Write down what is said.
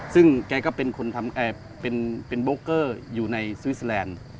ซึ่งแกก็เป็นโบรกเกอร์อยู่ในสวิสแหลนด์